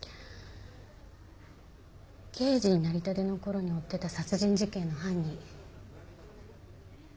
刑事になりたてのころに追ってた殺人事件の犯人。